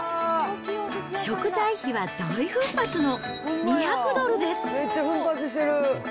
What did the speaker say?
食材費は大奮発の２００ドルです。